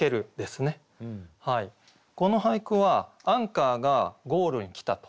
この俳句はアンカーがゴールに来たと。